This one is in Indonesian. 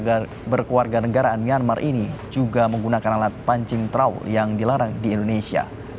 warga berkeluarga negaraan myanmar ini juga menggunakan alat pancing trau yang dilarang di indonesia